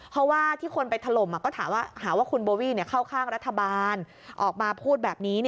เพราะว่าที่คนไปถล่มก็ถามว่าหาว่าคุณโบวี่เข้าข้างรัฐบาลออกมาพูดแบบนี้